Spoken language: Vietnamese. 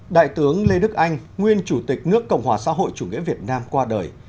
đại tướng lê đức anh nguyên chủ tịch nước cộng hòa xã hội chủ nghĩa việt nam qua đời